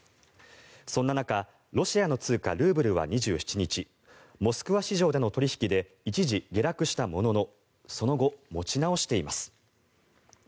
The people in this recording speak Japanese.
そんな中ロシアの通貨、ルーブルは２７日モスクワ市場での取引で一時下落したもののその後、持ち直しています。